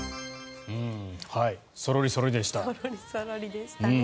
そろり、そろりでした。